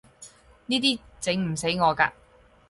呢啲整唔死我㗎